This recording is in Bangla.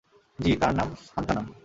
জি, তার নাম সান্থানাম।